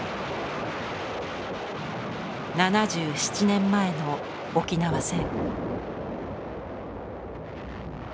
７７年前の沖縄戦。